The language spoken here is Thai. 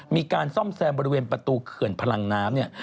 มีการซ่อมแซมบริเวณประตูเขื่อนพลังน้ำเนี่ย